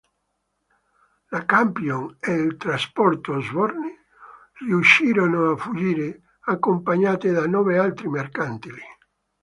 La "Champion" ed il trasporto "Osborne" riuscirono a fuggire, accompagnate da nove altri mercantili.